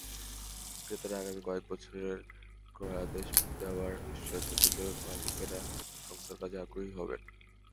ক্রেতারা আগামী কয়েক বছরের ক্রয়াদেশ দেওয়ার নিশ্চয়তা দিলে মালিকেরা সংস্কারকাজের আগ্রহী হবেন।